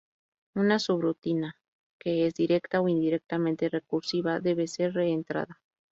Una subrutina que es directa o indirectamente recursiva debe ser de reentrada.